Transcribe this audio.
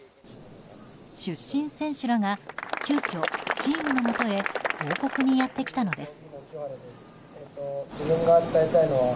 出身選手らが急きょチームのもとへ報告にやってきたのです。